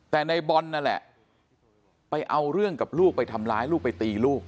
แต่ในบอลนั่นแหละไปเอาเรื่องกับลูกไปทำร้ายลูกไปตีลูก